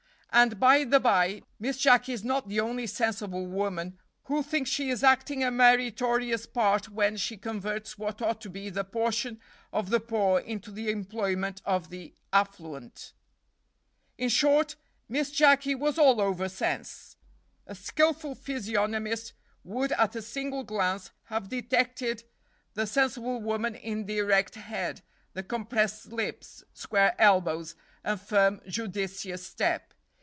And, by the by, Miss Jacky is not the only sensible woman who thinks she is acting a meritorious part when she converts what ought to be the portion of the poor into the employment of the affluent. "In short, Min Jacky was all over sense. A skilful physiognomist would at a single glance have detected the sensible woman in the erect head, the compressed lips, square elbows, and firm, judicious step.